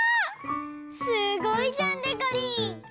すごいじゃんでこりん！